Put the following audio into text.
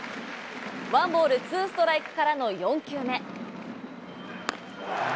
ワンボールツーストライクからの４球目。